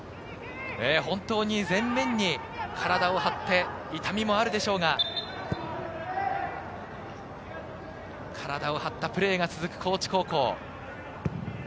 全面に体を張って痛みもあるでしょうが、体を張ったプレーが続く高知高校。